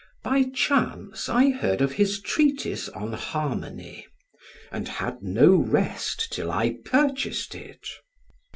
By chance I heard of his 'Treatise on Harmony', and had no rest till I purchased it.